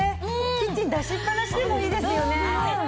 キッチンに出しっぱなしでもいいですよね。